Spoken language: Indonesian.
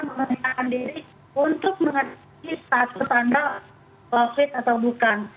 memerintahkan diri untuk mengerti status anda covid atau bukan